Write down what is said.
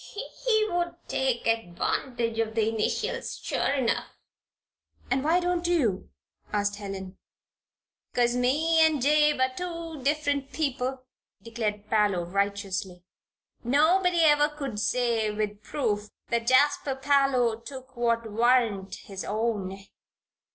He would take advantage of the initials, sure enough." "And why don't you?" asked Helen. "'Cause me and Jabe are two different men," declared Parloe, righteously. "Nobody ever could say, with proof, that Jasper Parloe took what warn't his own."